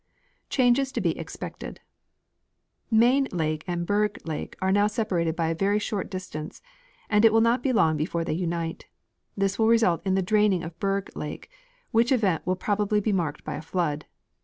Changes to be expcctecl. Main lake and Berg lake are now separated by a very short distance, and it will not be long before they unite. This will result in the draining of Berg lake, which event will probably be marked by a flood.